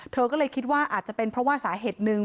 เธอก็เลยคิดว่าอาจจะเป็นเพราะว่าสาเหตุหนึ่ง